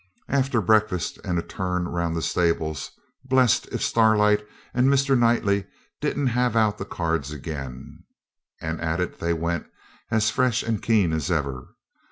After breakfast and a turn round the stables, blest if Starlight and Mr. Knightley didn't have out the cards again, and at it they went as fresh and keen as ever.